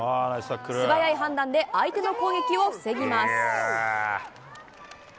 素早い判断で相手の攻撃を防ぎます。